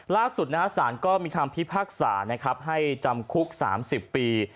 ล่าสุดสารก็มีคำพิพากษานะครับให้จำคุก๓๐ปี